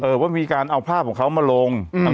ว่ามีการเอาภาพของเขามาลง